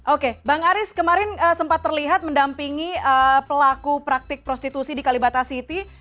oke bang aris kemarin sempat terlihat mendampingi pelaku praktik prostitusi di kalibata city